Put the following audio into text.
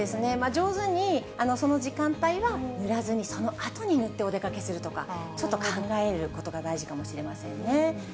上手に、その時間帯は塗らずにそのあとに塗ってお出かけするとか、ちょっと考えることが大事かもしれませんね。